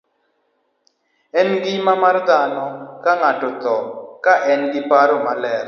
E ngima mar dhano, ng'ato tho ka en gi paro maler.